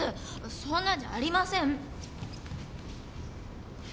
そんなんじゃありません。